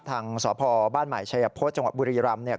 ทางสภบ้านใหม่ชายพพศจังหวัดบุรีรำ